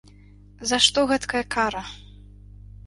За што гэткая кара?